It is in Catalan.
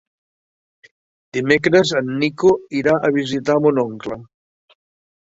Dimecres en Nico irà a visitar mon oncle.